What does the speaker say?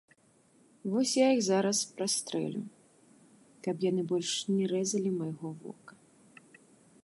Вось я іх зараз прастрэлю, каб яны больш не рэзалі майго вока.